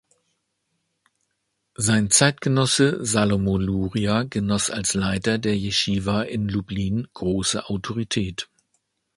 Sein Zeitgenosse Salomo Luria genoss als Leiter der Jeschiwa in Lublin große Autorität.